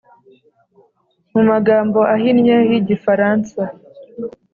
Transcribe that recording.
Mu magambo ahinnye y igifaransa